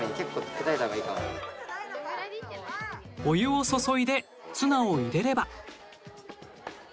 お湯を注いでツナを入れれば。